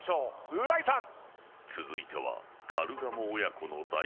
う大さん。